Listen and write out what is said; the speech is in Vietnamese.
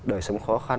đời sống khó khăn